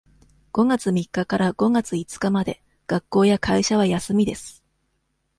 五月三日から五月五日まで学校や会社は休みです。